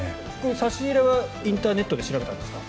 差し入れはインターネットで調べたんですか？